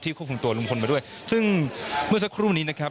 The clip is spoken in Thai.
ควบคุมตัวลุงพลมาด้วยซึ่งเมื่อสักครู่นี้นะครับ